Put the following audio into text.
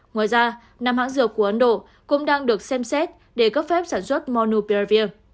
ngoài ra năm hãng dược của ấn độ cũng đang được xem xét để cấp phép sản xuất monuprevir